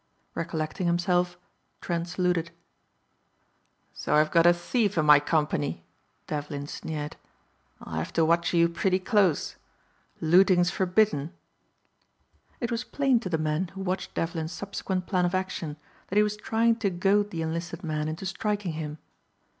Recollecting himself Trent saluted. "So I've got a thief in my company," Devlin sneered. "I'll have to watch you pretty close. Looting's forbidden." It was plain to the men who watched Devlin's subsequent plan of action that he was trying to goad the enlisted man into striking him.